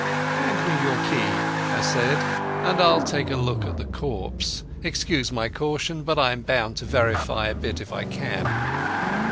"Hand me your key," I said, "and I'll take a look at the corpse. Excuse my caution, but I'm bound to verify a bit if I can."